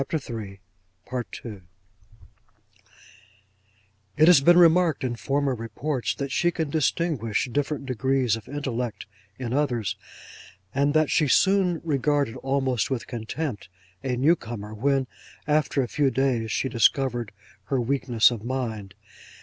'It has been remarked in former reports, that she can distinguish different degrees of intellect in others, and that she soon regarded, almost with contempt, a new comer, when, after a few days, she discovered her weakness of mind.